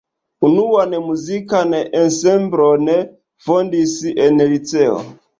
Unuan muzikan ensemblon fondis en liceo.